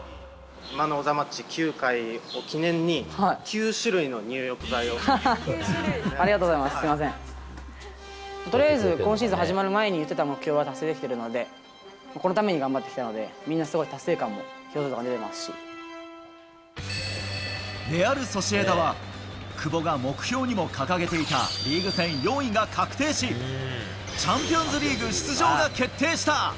マン・オブ・ザ・マッチ９回ありがとうございます、とりあえず、今シーズン始まる前に言ってた目標は達成できてるので、このために頑張ってきたので、みんなすごい、レアル・ソシエダは、久保が目標にも掲げていたリーグ戦４位が確定し、チャンピオンズリーグ出場が決定した。